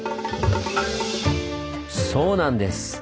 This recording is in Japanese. そうなんです！